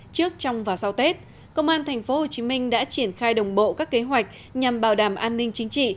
trước trong và sau tết công an tp hcm đã triển khai đồng bộ các kế hoạch nhằm bảo đảm an ninh chính trị